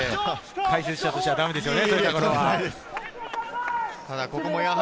解説者としてはだめですね。